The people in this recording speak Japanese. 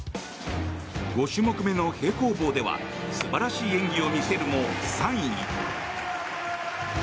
５種目目の平行棒では素晴らしい演技を見せるも３位。